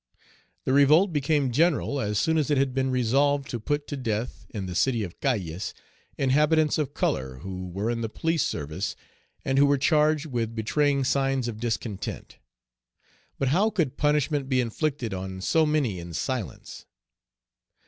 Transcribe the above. The revolt became general as soon as it had been resolved to put to death, in the city of Cayes, inhabitants of color, who were in the police service, and who were charged with betraying signs of discontent. But how could punishment be inflicted on so many in silence?